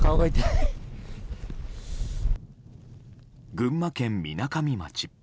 群馬県みなかみ町。